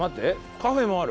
カフェもある。